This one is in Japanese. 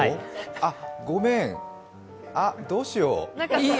ごめんどうしよう。